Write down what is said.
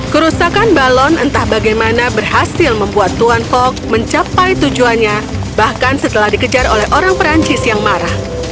kerusakan balon entah bagaimana berhasil membuat tuan fog mencapai tujuannya bahkan setelah dikejar oleh orang perancis yang marah